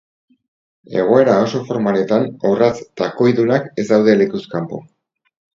Egoera oso formaletan orratz-takoidunak ez daude lekuz kanpo.